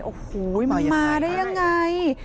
โอ้โหมาได้ยังไง